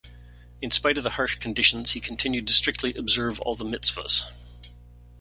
In spite of the harsh conditions, he continued to strictly observe all the mitzvos.